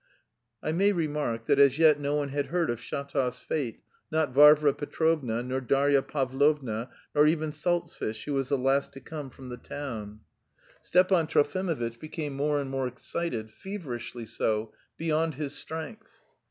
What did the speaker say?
I may remark that as yet no one had heard of Shatov's fate not Varvara Petrovna nor Darya Pavlovna, nor even Salzfish, who was the last to come from the town. Stepan Trofimovitch became more and more excited, feverishly so, beyond his strength.